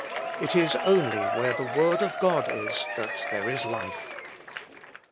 It is only where the word of God is, that there is life.